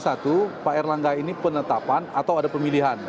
satu pak erlangga ini penetapan atau ada pemilihan